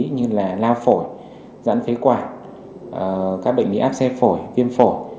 như là lao phổi giãn phế quản các bệnh lý áp xe phổi viêm phổi